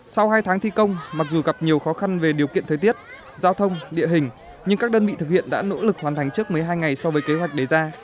sau hai tháng thi công mặc dù gặp nhiều khó khăn về điều kiện thời tiết giao thông địa hình nhưng các đơn vị thực hiện đã nỗ lực hoàn thành trước một mươi hai ngày so với kế hoạch đề ra